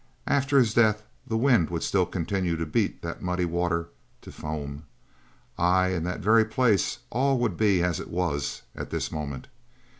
After his death the wind would still continue to beat that muddy water to foam. Ay, in that very place all would be as it was at this moment.